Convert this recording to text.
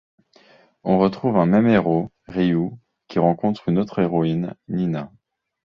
On retrouve un même héros, Ryu, qui rencontre une autre héroïne, Nina.